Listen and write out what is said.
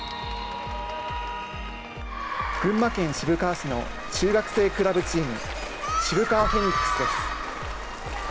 群馬県渋川市の中学生クラブチーム、渋川フェニックスです。